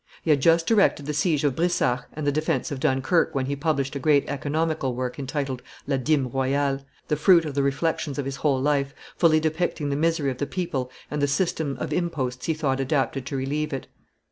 He had just directed the siege of Brisach and the defence of Dunkerque when he published a great economical work entitled la Dime royale, the fruit of the reflections of his whole life, fully depicting the misery of the people and the system of imposts he thought adapted to relieve it.